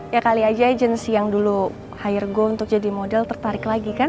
ya kali aja agensi yang dulu hire gue untuk jadi model tertarik lagi kan